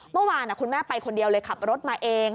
เมื่อวานคุณแม่ไปคนเดียวเลยขับรถมาเอง